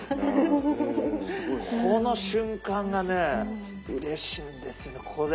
この瞬間がねうれしいんですよね。